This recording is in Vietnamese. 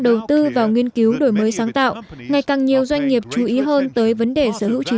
đầu tư vào nghiên cứu đổi mới sáng tạo ngày càng nhiều doanh nghiệp chú ý hơn tới vấn đề sở hữu trí